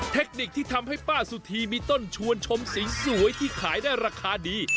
เทคนิคที่ทำให้ป้าสุธีมีต้นชวนชมสีสวยที่ขายได้ราคาดี